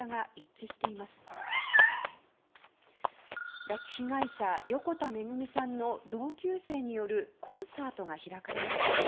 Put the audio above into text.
拉致被害者横田めぐみさんの同級生によるコンサートが開かれました。